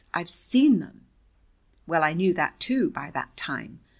I've seen them." Well, I knew that, too, by that time.